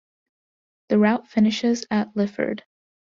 The route finishes at Lifford.